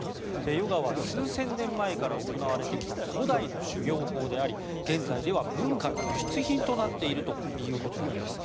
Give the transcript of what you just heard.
ヨガは数千年前から行われてきた古代の修行法であり現在では文化の輸出品となっているということなんです。